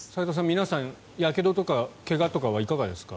皆さんやけどとか怪我とかはどうですか？